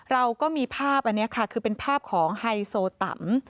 เราก็มีภาพอันนี้ค่ะคือเป็นภาพของไฮโซตัม